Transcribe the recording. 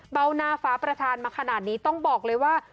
เบาหน้าฟ้าประธานมาขนาดนี้ต้องบอกเลยว่า